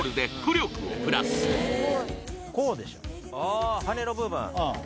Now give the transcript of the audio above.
あ羽根の部分